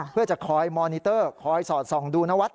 เพื่อจะคอยมอนิเตอร์คอยสอดส่องดูนวัด